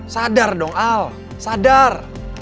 sadar dong al sadar